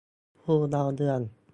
ผู้เล่าเรื่อง